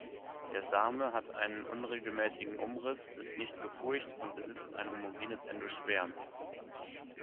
Der Same hat einen unregelmäßigen Umriss, ist nicht gefurcht und besitzt ein homogenes Endosperm.